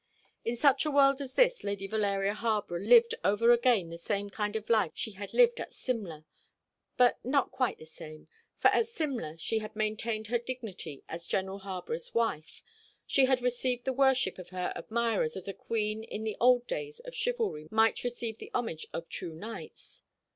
In such a world as this Lady Valeria Harborough lived over again the same kind of life she had lived at Simla but not quite the same; for at Simla she had maintained her dignity as General Harborough's wife; she had received the worship of her admirers as a queen in the old days of chivalry might receive the homage of true knights.